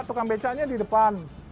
tukang becanya di depan